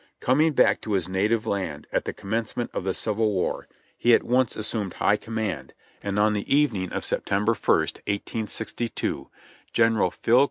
Coming back to his native land at the commencement of the Civil War, he at once assumed high command, and on the evening of September 96 JOHNNY REB AND BILI,Y YANK ist, 1862, Gen. Phil.